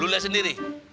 lu liat sendiri